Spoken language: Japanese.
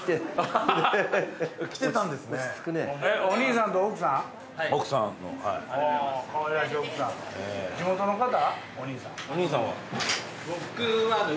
お兄さんは？